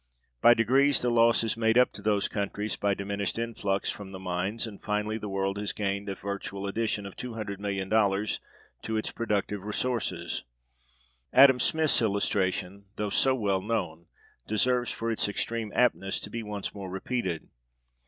By degrees the loss is made up to those countries by diminished influx from the mines, and finally the world has gained a virtual addition of $200,000,000 to its productive resources. Adam Smith's illustration, though so well known, deserves for its extreme aptness to be once more repeated.